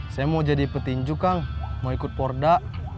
saya mau jadi petinju kang mau ikut porda